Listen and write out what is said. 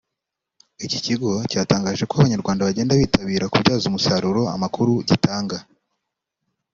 Iki kigo cyatangaje ko Abanyarwanda bagenda bitabira kubyaza umusaruro amakuru gitanga